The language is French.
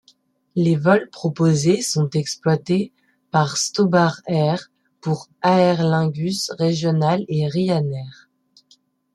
Les vols proposés sont exploités par Stobart Air pour Aer Lingus Regional et Ryanair.